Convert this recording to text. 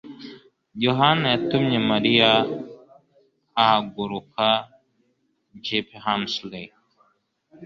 Yohana yatumye Mariya ahaguruka GPHemsley